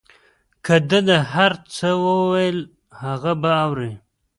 که ده هر څه ویل هغه به اورې.